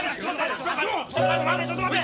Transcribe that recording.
ちょっと待て！